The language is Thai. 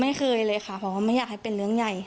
ไม่เคยเลยค่ะเพราะว่าไม่อยากให้เป็นเรื่องใหญ่